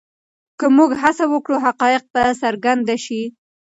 که موږ هڅه وکړو حقایق به څرګند شي.